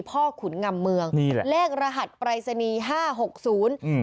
ขุนงำเมืองนี่แหละเลขรหัสปรายศนีย์ห้าหกศูนย์อืม